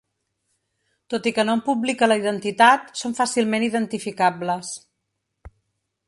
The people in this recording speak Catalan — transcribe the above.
Tot i que no en publica la identitat, són fàcilment identificables.